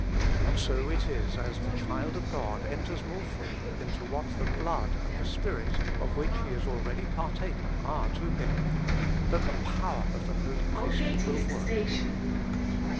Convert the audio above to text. And so it is as the child of God enters more fully into what the Blood and the Spirit of which he already is par taker, are to him, that the power of the Holy Priesthood will work in him.